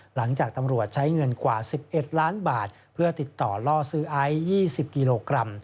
หลังจากตำรวจใช้เงินกว่า๑๑ล้านบาทเพื่อติดต่อล่อซื้อไอซ์๒๐กิโลกรัม